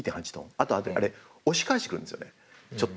あとあれ押し返してくるんですよねちょっと。